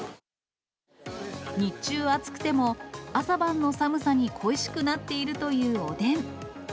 日中暑くても、朝晩の寒さに恋しくなっているというおでん。